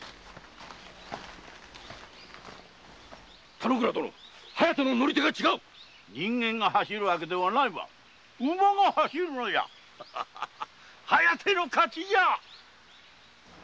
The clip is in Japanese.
田之倉殿「疾風」の乗り手が違う人間が走るわけではないわ馬が走るのじゃ「疾風」の勝ちじゃ。